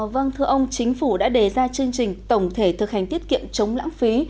vâng thưa ông chính phủ đã đề ra chương trình tổng thể thực hành tiết kiệm chống lãng phí